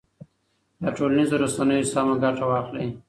له ټولنیزو رسنیو سمه ګټه واخلئ.